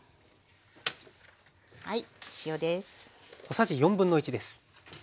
はい塩です。